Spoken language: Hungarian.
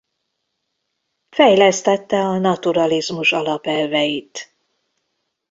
Fejlesztette a naturalizmus alapelveit.